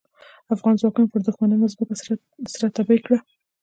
افغان ځواکونو پر دوښمنانو ځمکه سره تبۍ کړه.